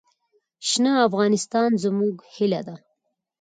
شنه افغانستان زموږ هیله ده.